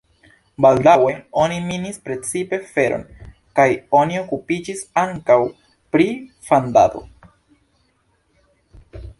Baldaŭe oni minis precipe feron kaj oni okupiĝis ankaŭ pri fandado.